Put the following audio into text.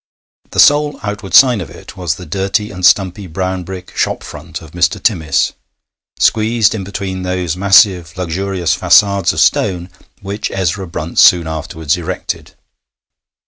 The sole outward sign of it was the dirty and stumpy brown brick shop front of Mr. Timmis, squeezed in between those massive luxurious façades of stone which Ezra Brunt soon afterwards erected.